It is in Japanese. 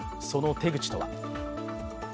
その手口とは。